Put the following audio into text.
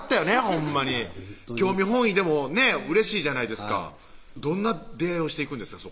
ほんまに興味本位でもねうれしいじゃないですかどんな出会いをしていくんですか？